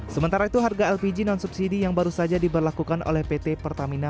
sementara itu harga lpg non subsidi yang baru saja diberlakukan oleh pt pertamina